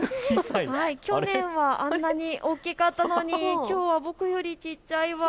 去年はあんなに大きかったのにきょうは僕よりちっちゃいワン。